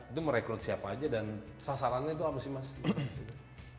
itu merekrut siapa aja dan sasarannya itu apa sih mas